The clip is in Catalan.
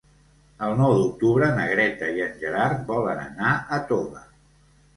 El nou d'octubre na Greta i en Gerard volen anar a Toga.